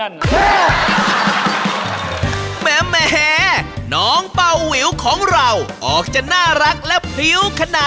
แหวนแสกแหวน